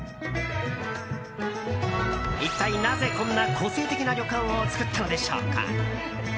一体なぜこんな個性的な旅館を作ったのでしょうか。